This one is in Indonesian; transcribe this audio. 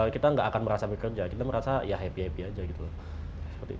kita nggak akan merasa bekerja kita merasa ya happy happy aja gitu loh